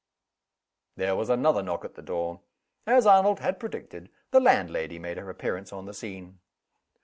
There was another knock at the door. As Arnold had predicted, the landlady made her appearance on the scene.